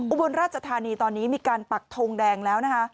อุบลราชธานีตอนนี้มีการปักทงแดงแล้วนะคะ